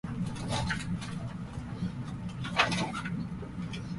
海は黒くて、空も黒かった。どこまで行けば、終着点なのか全くわからなかった。